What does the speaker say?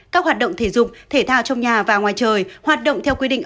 các hoạt động thể dục thể thao trong nhà và ngoài trời hoạt động theo quy định